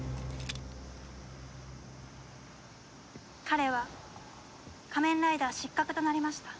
彼は仮面ライダー失格となりました。